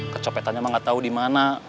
kecopetannya mah gak tau dimana